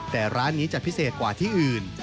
แต่ร้านนี้จะพิเศษกว่าที่อื่น